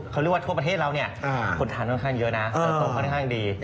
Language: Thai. เขาเรียกว่าทั่วประเทศเราเนี่ยคนทานค่อนข้างเยอะนะเติบโตค่อนข้างดี